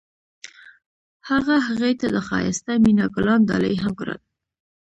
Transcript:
هغه هغې ته د ښایسته مینه ګلان ډالۍ هم کړل.